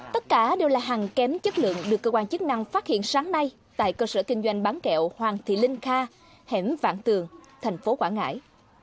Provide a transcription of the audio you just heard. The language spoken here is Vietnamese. tất cả đều là hàng kém chất lượng được cơ quan chức năng phát hiện sáng nay tại cơ sở kinh doanh bán kẹo hoàng thị linh kha hẻm vạn tường thành phố quảng ngãi